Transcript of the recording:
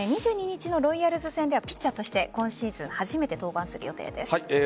２２日のロイヤルズ戦ではピッチャーとして今シーズン初めて登板する予定です。